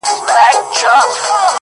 چي نور ساده راته هر څه ووايه’